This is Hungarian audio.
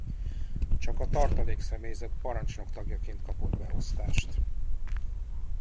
Csak a tartalék személyzet parancsnok tagjaként kapott beosztást.